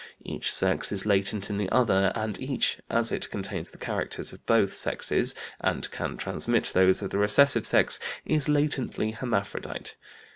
Each sex is latent in the other, and each, as it contains the characters of both sexes (and can transmit those of the recessive sex) is latently hermaphrodite.